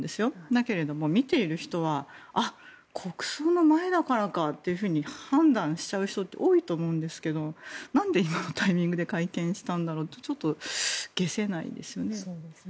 だけれども見ている人は国葬の前だからかって判断しちゃう人って多いと思うんですけどなんで今のタイミングで会見したんだろうってちょっと解せないですよね。